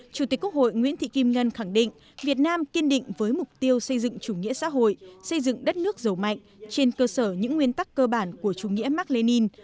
chủ tịch quốc hội nguyễn thị kim ngân khẳng định việt nam kiên định với mục tiêu xây dựng chủ nghĩa xã hội xây dựng đất nước giàu mạnh trên cơ sở những nguyên tắc cơ bản của chủ nghĩa mark lenin